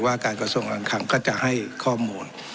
ว่าการกระทรงลงขังก็จะให้ข้อมูล